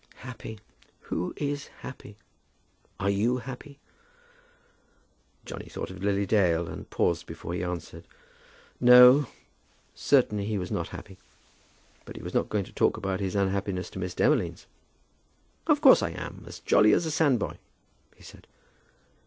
"Happy! Who is happy? Are you happy?" Johnny thought of Lily Dale and paused before he answered. No; certainly he was not happy. But he was not going to talk about his unhappiness to Miss Demolines! "Of course I am; as jolly as a sandboy," he said.